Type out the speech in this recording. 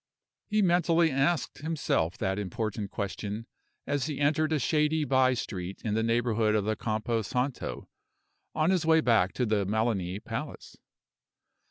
He mentally asked himself that important question, as he entered a shady by street in the neighborhood of the Campo Santo, on his way back to the Melani Palace.